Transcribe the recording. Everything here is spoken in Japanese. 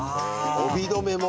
帯留めも。